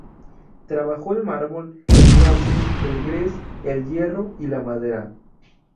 Trabajó el mármol, el bronce, el gres, el hierro y la madera.